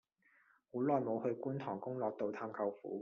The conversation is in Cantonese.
好耐無去觀塘功樂道探舅父